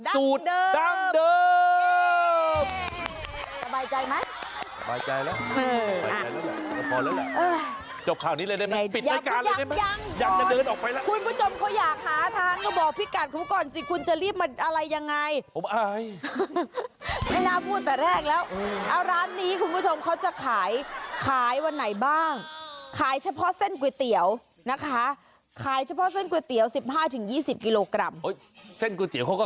ตัวฟ้างค่าายเฉพาะเส้นก๋วยเตี๋ยวนะค่ะไห้เฉพาะเส้นก๋วยเตี๋ยวสิบห้าถึง๒๐กิโลกรัมที่เต้นกูที่พ่อก็